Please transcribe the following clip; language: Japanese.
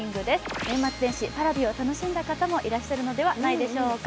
年末年始、Ｐａｒａｖｉを楽しんだ方もいらっしゃるのではないでしょうか。